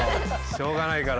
しょうがないから。